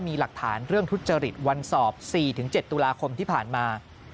มีหลักฐานเรื่องทุจริตวันสอบ๔๗ตุลาคมที่ผ่านมา